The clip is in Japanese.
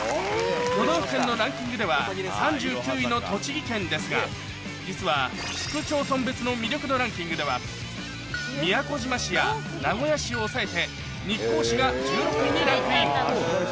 都道府県のランキングでは３９位の栃木県ですが実は市区町村別の魅力度ランキングでは宮古島市や名古屋市を抑えて日光市が１６位にランクイン